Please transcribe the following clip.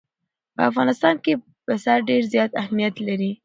په افغانستان کې پسه ډېر زیات اهمیت لري.